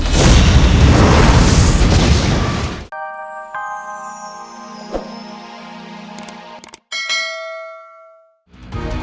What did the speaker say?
siapa gerangan mereka turadon